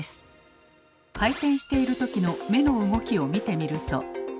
回転している時の目の動きを見てみると。